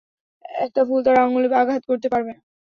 একটা ফুল তার আঙ্গুলে আঘাত করতে পারবেনা।